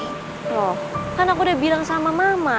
kan aku udah bilang sama mama